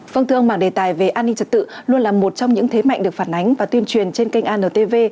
phương thương mảng đề tài về an ninh trật tự luôn là một trong những thế mạnh được phản ánh và tuyên truyền trên kênh antv